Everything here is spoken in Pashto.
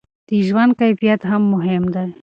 د ژوند کیفیت هم مهم دی.